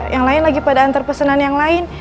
yang lain lagi pada antar pesanan yang lain